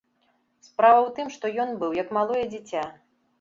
Справа ў тым, што ён быў як малое дзіця.